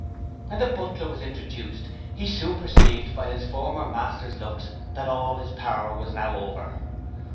When the butler was introduced, he soon perceived by his former master's looks that all his power was now over.